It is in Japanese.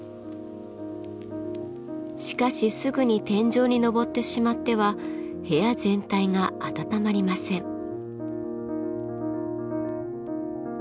しかしすぐに天井に昇ってしまっては部屋全体が暖まりません。